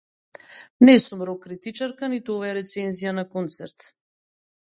Не сум рок критичарка, ниту ова е рецензија на концерт.